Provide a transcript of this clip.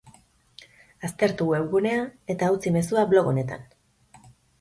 Aztertu webgunea eta utzi mezua blog honetan.